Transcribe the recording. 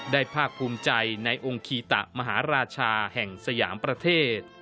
ภาคภูมิใจในองค์คีตะมหาราชาแห่งสยามประเทศ